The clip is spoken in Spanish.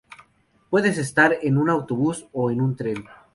Puedes estar en un autobús o un tren.